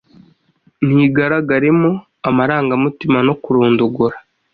ntigaragaremo amarangamutima no kurondogora